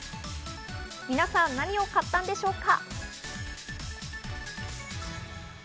皆さん何を買ったんでしょうか。